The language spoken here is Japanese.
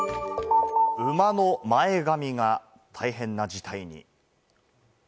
馬の前髪が、大変な事態に。